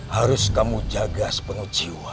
harus kamu jaga sepenuh jiwa